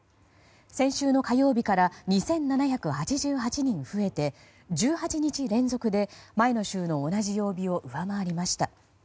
先週の火曜日から２７８８人増えて１８日連続で前の週の同じ曜日を上回りました。